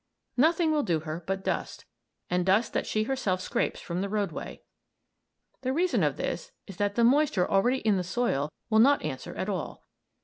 Nothing will do her but dust, and dust that she herself scrapes from the roadway. The reason of this is that the moisture already in the soil will not answer at all.